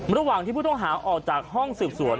ระหว่างที่ผู้ต้องหาออกจากห้องสืบสวน